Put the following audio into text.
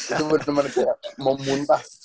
itu bener bener kayak mau muntah